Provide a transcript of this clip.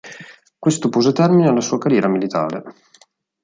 Questo pose termine alla sua carriera militare.